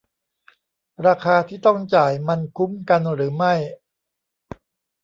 ราคาที่ต้องจ่ายมันคุ้มกันหรือไม่